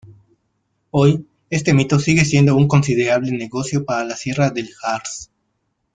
Hoy, este mito sigue siendo un considerable negocio para la Sierra del Harz.